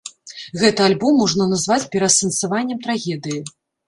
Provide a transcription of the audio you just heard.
Гэты альбом можна назваць пераасэнсаваннем трагедыі.